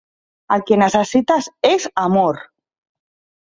El que necessites és amor!